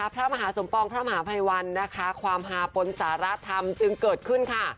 พระมหาศมป้องพระมหาไพเวิลความหาปนสารธรรมจึงเกิดขึ้น